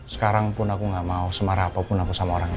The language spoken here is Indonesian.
sekarang pun aku gak mau semarah apapun aku sama orangnya